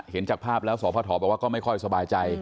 เห็นจากภาพแล้วสพบอกว่าก็ไม่ค่อยสบายใจ